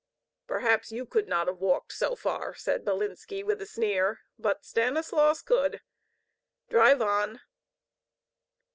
"Perhaps you could not have walked so far," said Bilinski, with a sneer. "But Stanislaus could. Drive on!"